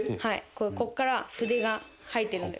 これここから筆が生えてるんで。